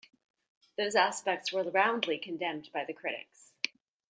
Those aspects were roundly condemned by the critics.